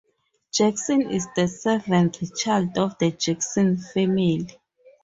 Jackson is the seventh child of the Jackson family.